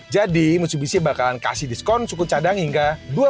jadi mitsubishi bakalan kasih diskon cukup cadang hingga dua puluh lima